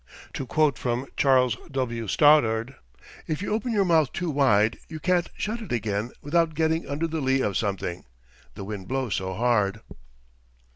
To quote from Charles W. Stoddard, "If you open your mouth too wide, you can't shut it again without getting under the lee of something the wind blows so hard."